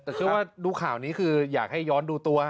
แต่เชื่อว่าดูข่าวนี้คืออยากให้ย้อนดูตัว